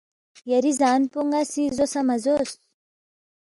یری زان پو ن٘اسی زوسا مہ زوس